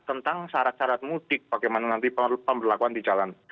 tentang syarat syarat mudik bagaimana nanti pemberlakuan di jalan